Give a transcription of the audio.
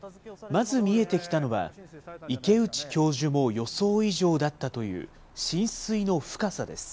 まず見えてきたのは、池内教授も予想以上だったという浸水の深さです。